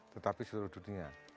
tetapi di seluruh dunia